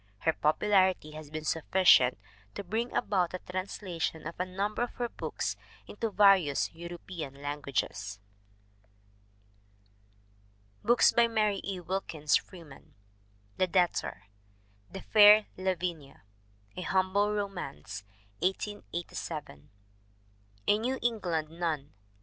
Her popularity has been sufficient to bring about the translation of a number of her books into various European languages. BOOKS BY MARY E. WILKINS FREEMAN The Debtor. The Fair Lavinia. A Humble Romance, 1887. A New England Nun, 1891.